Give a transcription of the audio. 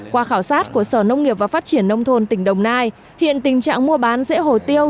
qua khảo sát của sở nông nghiệp và phát triển nông thôn tỉnh đồng nai hiện tình trạng mua bán rễ hồ tiêu